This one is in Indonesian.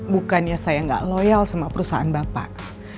bukannya saya nggak loyal sama perusahaan bapak